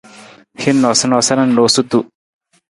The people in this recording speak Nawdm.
Hin noosanoosa na noosutu.